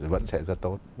vẫn sẽ rất tốt